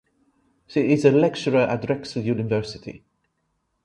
She is an lecturer at Drexel University.